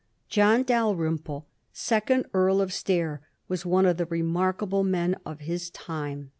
John Dalrymple, second Earl of Stair, was one of the remarkable men of his time.